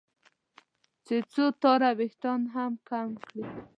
چې څو تاره وېښتان مې کم کړي.